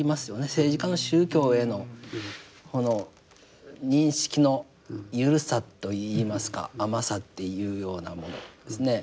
政治家の宗教へのこの認識の緩さといいますか甘さっていうようなものですね。